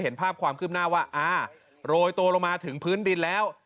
เห็นภาพความขึ้นหน้าว่าอ่าโรยตัวลงมาถึงพื้นดินแล้ว